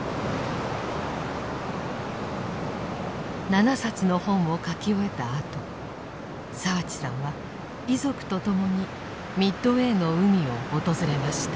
７冊の本を書き終えたあと澤地さんは遺族と共にミッドウェーの海を訪れました。